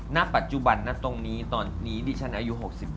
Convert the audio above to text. ณปัจจุบันนะตรงนี้ตอนนี้ดิฉันอายุ๖๑